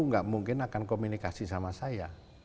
nggak mungkin akan komunikasi sama saya